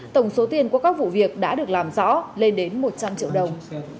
tổng số tiền của các vụ việc đã được làm rõ lên đến một trăm linh triệu đồng